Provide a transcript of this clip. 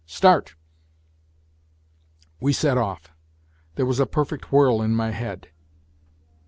Start !" We set off. There was a perfect whirl in my head.